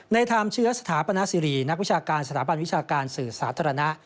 ทามเชื้อสถาปนาสิรินักวิชาการสถาบันวิชาการสื่อสาธารณะ